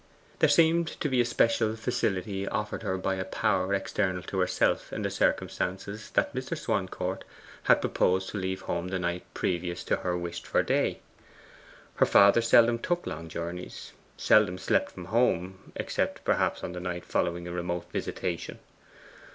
There seemed to be a special facility offered her by a power external to herself in the circumstance that Mr. Swancourt had proposed to leave home the night previous to her wished for day. Her father seldom took long journeys; seldom slept from home except perhaps on the night following a remote Visitation.